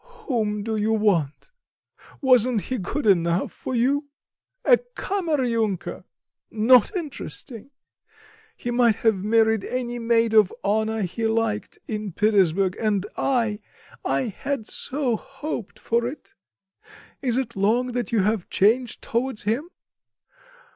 "Whom do you want? Wasn't he good enough for you? A kammer junker! not interesting! He might have married any Maid of Honour he liked in Petersburg. And I I had so hoped for it! Is it long that you have changed towards him?